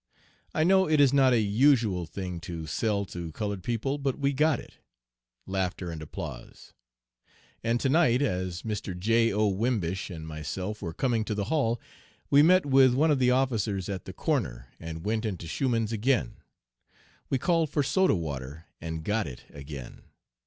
I know it is not a usual thing to sell to colored people, but we got it. (Laughter and applause.) And to night as Mr. J. O. Wimbish and myself were coming to the hall, we met with one of the officers at the corner, and went into Schumann's again. We called for soda water, and got it again!